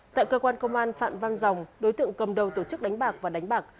tại cơ quan công an phạm văn rồng đối tượng cầm đầu tổ chức đánh bạc và đánh bạc